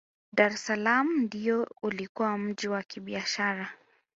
dr es salaam ndiyo ulikuwa mji wa kibiashara